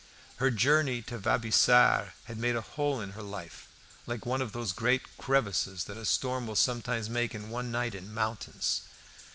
Her journey to Vaubyessard had made a hole in her life, like one of those great crevices that a storm will sometimes make in one night in mountains.